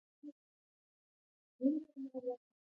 ګاز د افغانستان د ځایي اقتصادونو بنسټ دی.